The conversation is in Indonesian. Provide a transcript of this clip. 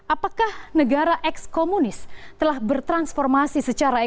apakah negara ekskomunis telah bertransferasi